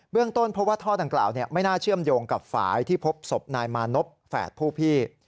เรื่องต้นเพราะว่าท่อดังกล่าวไม่น่าเชื่อมโยงกับฝ่ายที่พบศพนายมานพแฝดผู้พี่